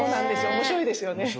面白いですよね。